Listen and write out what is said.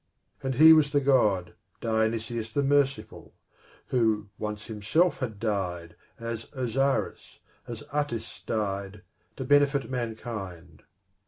And he was the God Dionysus the merciful, who once himself had died, as Osiris, as Attis died, to benefit mankind.